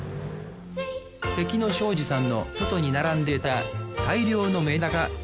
関野商事さんの外に並んでた大量のメダカ。